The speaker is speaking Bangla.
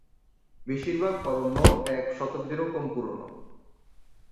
বেশিরভাগ অরণ্য এক শতাব্দীরও কম পুরানো।